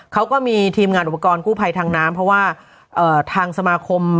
เขาก็มีทีมงานอุปกรณ์กู้ภัยทางน้ำเพราะว่าทางสมาคม